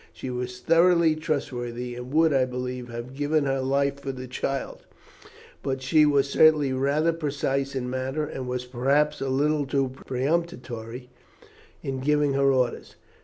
She was thoroughly trustworthy, and would, I believe, have given her life for the child, but she was certainly rather precise in manner, and was perhaps a little too peremptory in giving her orders.